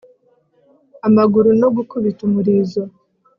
amaguru no gukubita umurizo